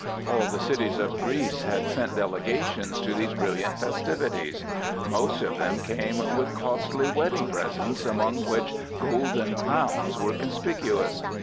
All the cities of Greece had sent delegations to these brilliant festivities; most of them came with costly wedding presents, among which golden crowns were conspicuous.